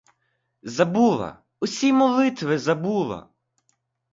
Забула, усі молитви забула!